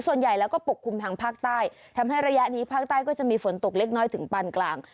ส่วนใหญ่แล้วก็ปกคลุมทางภาคใต้ทำให้ระยะนี้ภาคใต้ก็จะมีฝนตกเล็กน้อยถึงปานกลาง